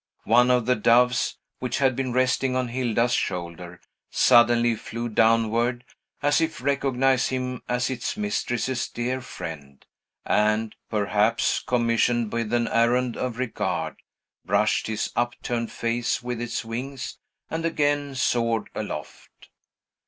One of the doves, which had been resting on Hilda's shoulder, suddenly flew downward, as if recognizing him as its mistress's dear friend; and, perhaps commissioned with an errand of regard, brushed his upturned face with its wings, and again soared aloft.